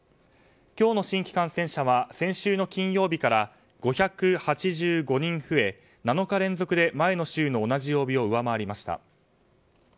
今日の新規感染者は先週の金曜日から５８５人増え、７日連続で前の週の同じ曜日を上回りました。